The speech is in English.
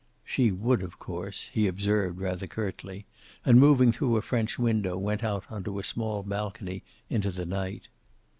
"She would, of course," he observed, rather curtly, and, moving through a French window, went out onto a small balcony into the night.